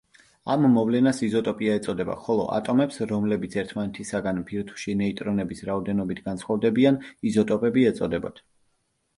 ამ მოვლენას იზოტოპია ეწოდება, ხოლო ატომებს რომლებიც ერთმანეთისაგან ბირთვში ნეიტრონების რაოდენობით განსხვავდებიან იზოტოპები ეწოდებათ.